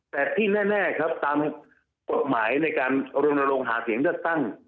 แต่ที่แน่ครับตามกฎหมายในการโรนโรงหาเสียงเลือกตั้ง